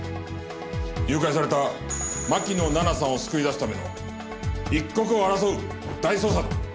誘拐された牧野奈々さんを救い出すための一刻を争う大捜査だ。